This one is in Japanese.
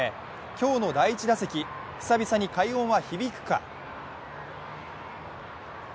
今日の第１打席、久々に快音は響くか。